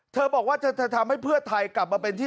บอกว่าจะทำให้เพื่อไทยกลับมาเป็นที่